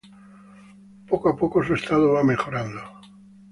Poco a poco, su estado va mejorando.